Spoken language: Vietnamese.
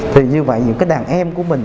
thì như vậy những cái đàn em của mình